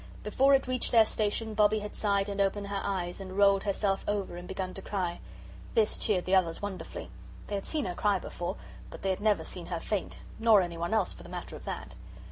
Before it reached their station Bobbie had sighed and opened her eyes, and rolled herself over and begun to cry. This cheered the others wonderfully. They had seen her cry before, but they had never seen her faint, nor anyone else, for the matter of that.